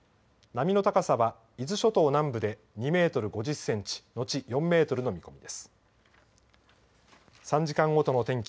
波の高さは伊豆諸島南部で２メートル５０センチのち４メートルの見込み。